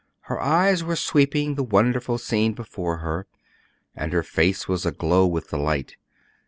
Her eyes were sweeping the wonderful scene before her, and her face was aglow with delight.